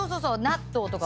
納豆とか。